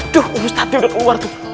aduh ustad dia udah keluar tuh